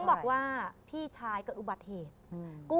บอกว่าพี่ชายเกิดอุบัติเหตุ